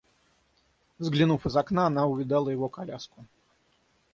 Взглянув из окна, она увидала его коляску.